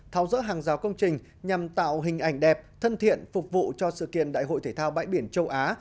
tháo rỡ hàng rào công trình nhằm tạo hình ảnh đẹp thân thiện phục vụ cho sự kiện đại hội thể thao bãi biển châu á